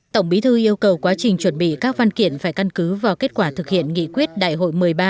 tổng bí thư yêu cầu quá trình chuẩn bị các văn kiện phải căn cứ vào kết quả thực hiện nghị quyết đại hội một mươi ba